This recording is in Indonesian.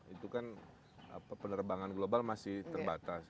itu kan penerbangan global masih terbatas